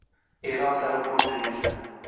Eron sari burdi yuzni.